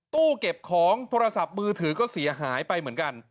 ตู้เก็บของโทรศัพท์มือถือก็เสียหายไปเหมือนกัน